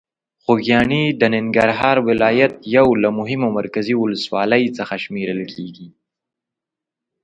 خوږیاڼي د ننګرهار ولایت یو له مهمو مرکزي ولسوالۍ څخه شمېرل کېږي.